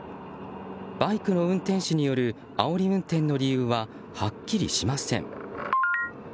バイクの運転手によるあおり運転の理由ははっきりしません。